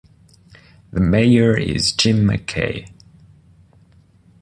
The mayor is Jim McKay.